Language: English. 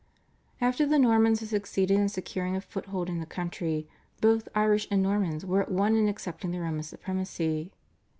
After the Normans had succeeded in securing a foothold in the country, both Irish and Normans were at one in accepting the Roman supremacy.